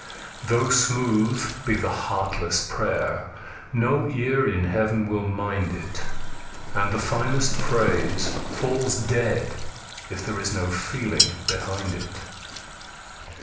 Though smooth be the heartless prayer, no ear in Heaven will mind it, And the finest phrase falls dead if there is no feeling behind it.